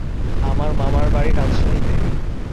আমার মামার বাড়ি রাজশাহীতে।